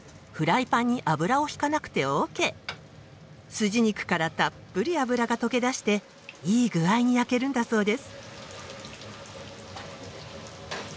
スジ肉からたっぷり脂がとけ出していい具合に焼けるんだそうです。